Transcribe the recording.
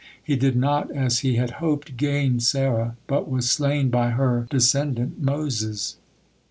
He did not, as he had hoped, gain Sarah, but was slain by her descendant Moses.